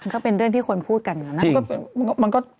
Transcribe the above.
มันก็เป็นเรื่องที่คนพูดกันนะ